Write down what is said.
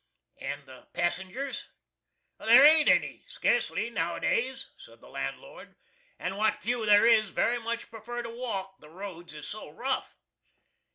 "And the passengers?" "There ain't any, skacely, now days," said the landlord, "and what few ther is very much prefer to walk, the roads is so rough."